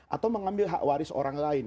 atau mengambil hak waris orang lain